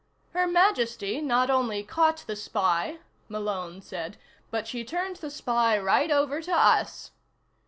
"Her Majesty not only caught the spy," Malone said, "but she turned the spy right over to us."